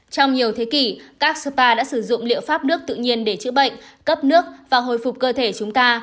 trong nhiều thế kỷ các spa đã sử dụng liệu pháp nước tự nhiên để chữa bệnh cấp nước và hồi phục cơ thể chúng ta